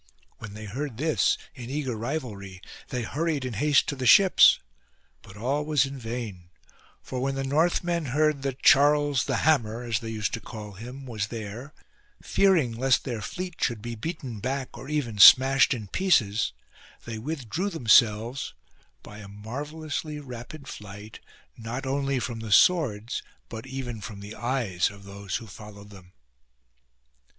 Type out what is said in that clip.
When they heard this, in eager rivalry, they hurried in haste to the ships. But all was in vain, for when the Northmen heard that Charles, the Hammer, as they used to call him, was there, fearing lest their fleet should be beaten back or even smashed in pieces, they withdrew themselves, by a marvellously rapid flight, not only from the swords but even from the eyes of those who followed them.